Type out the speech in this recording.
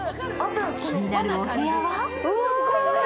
気になるお部屋は？